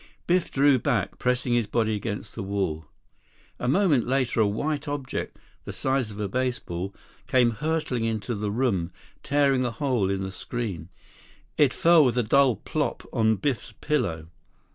Biff drew back, pressing his body against the wall. A moment later a white object, the size of a baseball, came hurtling into the room, tearing a hole in the screen. It fell with a dull plop on Biff's pillow.